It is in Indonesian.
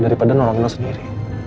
daripada nolong lo sendiri